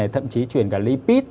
thậm chí truyền cả lipid